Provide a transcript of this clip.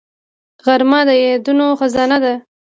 غرمه د یادونو خزانه ده